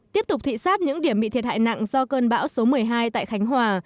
tiếp tục thị xác những điểm bị thiệt hại nặng do cơn bão số một mươi hai tại khánh hòa